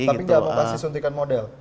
tapi gak pasti suntikan modal